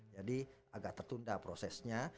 jadi agak tertunda prosesnya